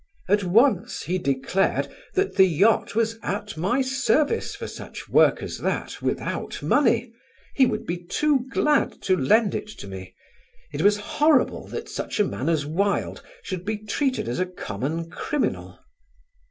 At once he declared that the yacht was at my service for such work as that without money: he would be too glad to lend it to me: it was horrible that such a man as Wilde should be treated as a common criminal.